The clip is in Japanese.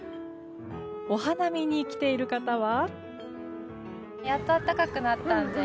お花見に来ている方は。